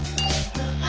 あ！